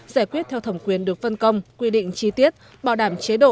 giải quyết theo thẩm quyền được phân công quy định chi tiết bảo đảm chế độ